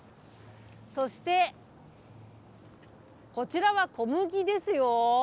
そしてこちらは小麦ですよ。